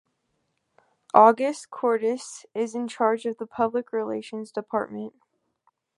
August Courtis is in charge of the Public Relations Department.